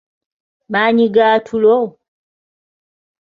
Maanyi ga tulo?